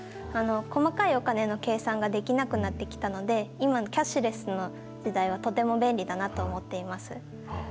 細かいお金の計算ができなくなってきたので、今、キャッシュレスの時代はとても便利だなって思ってます。